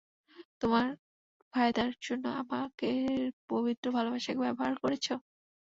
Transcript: তোমার ফায়দার জন্য আমাদের পবিত্র ভালবাসাকে ব্যবহার করেছ?